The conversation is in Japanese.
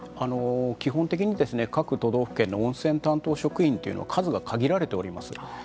基本的に各都道府県の温泉担当職員は数が限られております。